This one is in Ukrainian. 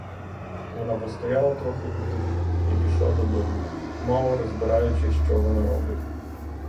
Вона постояла трохи віддалік і пішла додому, мало розбираючи, що вона робить.